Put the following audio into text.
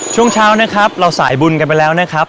ช่วงเช้านะครับเราสายบุญกันไปแล้วนะครับ